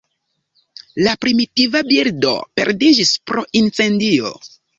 La primitiva bildo perdiĝis pro incendio.